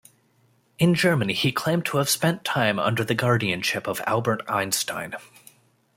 In Germany, he claimed to have spent time under the guardianship of Albert Einstein.